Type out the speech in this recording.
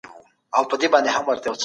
ښه ملګری لاس نیوی کوي.